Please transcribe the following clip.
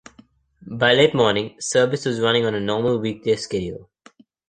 By late morning service was running on a normal weekday schedule.